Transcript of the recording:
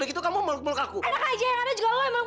kamu yang mau melakukan